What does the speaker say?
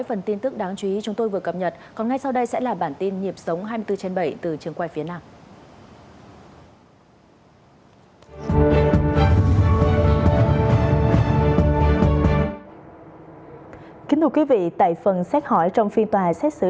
hãy đăng ký kênh để ủng hộ kênh của mình nhé